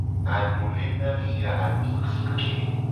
Adole na vi a abitike.